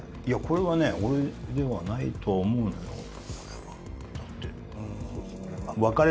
いやこれは俺ではないと思うよ。